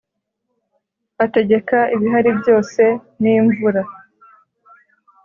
ategeka ibihari byose n' imvura.